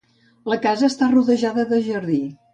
La casa està rodejada de jardí.